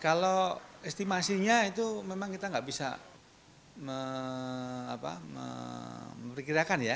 kalau estimasinya itu memang kita nggak bisa memperkirakan ya